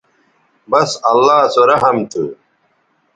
بس اللہ سو رحم تھو